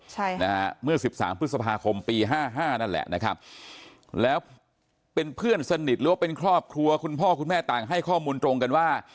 ใช่ค่ะนะฮะเมื่อสิบสามพฤษภาคมปีห้าห้านั่นแหละนะครับแล้วเป็นเพื่อนสนิทหรือว่าเป็นครอบครัวคุณพ่อคุณแม่ต่างให้ข้อมูลตรงกันว่า